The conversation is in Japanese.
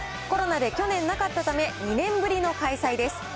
コロナで去年なかったため、２年ぶりの開催です。